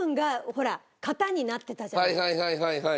はいはいはいはいはい。